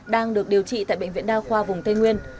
đang được điều trị tại bệnh viện đa khoa vùng tây nguyên